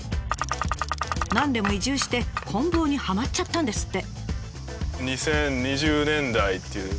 なんでも移住してこん棒にはまっちゃったんですって。